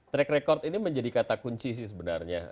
track record ini menjadi kata kunci sih sebenarnya